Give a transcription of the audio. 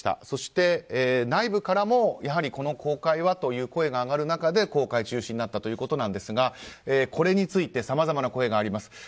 そして内部からもやはりこの公開はという中で公開中止になったということですがこれについてさまざまな声があります。